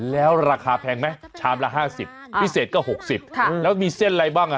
แล้วราคาแพงไหมชามละ๕๐พิเศษก็๖๐แล้วมีเส้นอะไรบ้างอ่ะ